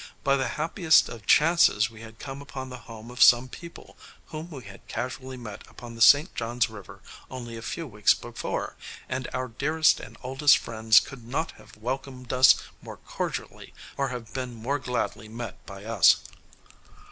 By the happiest of chances we had come upon the home of some people whom we had casually met upon the St. John's River only a few weeks before, and our dearest and oldest friends could not have welcomed us more cordially or have been more gladly met by us.